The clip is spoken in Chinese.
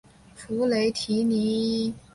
弗雷蒂尼。